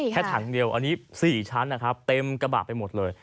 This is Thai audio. แค่ถังเดียวอันนี้๔ชั้นนะครับเต็มกระบะไปหมดเลย